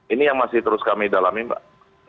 ini yang masih terus kami dalami mbak